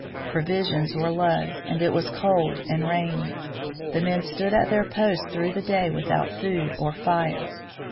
Provisions were low and it was cold and raining. The men stood at their posts through the day without food or fire.